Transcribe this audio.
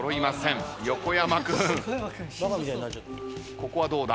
ここはどうだ？